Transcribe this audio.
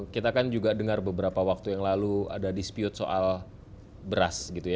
kita kan juga dengar beberapa waktu yang lalu ada dispute soal beras gitu ya